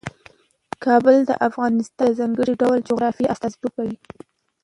کابل د افغانستان د ځانګړي ډول جغرافیه استازیتوب کوي.